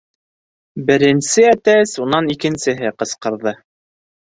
Беренсе әтәс, унан икенсеһе ҡысҡырҙы.